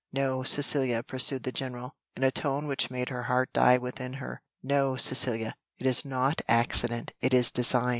"No, Cecilia," pursued the General, in a tone which made her heart die within her "no, Cecilia, it is not accident, it is design.